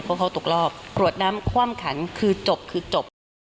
เพราะเขาตกรอบกรวดน้ำคว่ำขันคือจบคือจบ